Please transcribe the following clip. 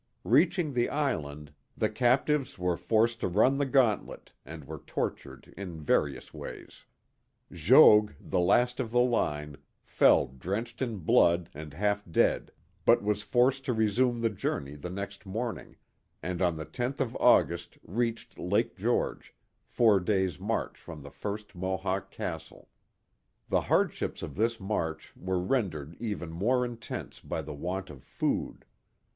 Reaching the island, the captives were forced to run the gauntlet, and were tortured in various ways. Jogues, the last of the line, fell drenched in blood and half dead, but was forced to resume the journey the next morning, and on the loth of August reached Lake George, four days* Journal of Arent Van Curler 43 march from the first Mohawk Castle. The hardships of this march were rendered even more intense by the want of food.